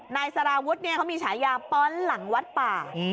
นายสารุ๊ดเนี่ยเขามีฉายาป้อนหลังวัดป่า